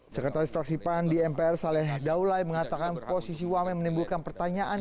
sekretaris traksipan di mpr salah daulai mengatakan posisi wamen menimbulkan pertanyaan